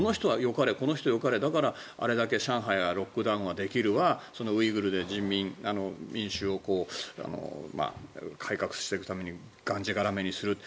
この人はよかれだからこれだけ上海はロックダウンできるわウイグルで民衆を改革していくためにがんじがらめにする。